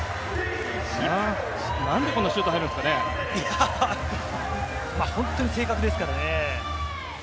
なんでこんなシュートが入る本当に正確ですからね。